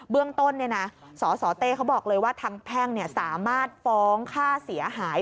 เรื่องต้นสสเต้เขาบอกเลยว่าทางแพ่งสามารถฟ้องค่าเสียหาย